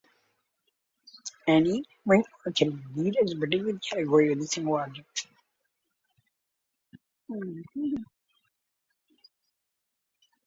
Any ring "R" can be viewed as a preadditive category with a single object.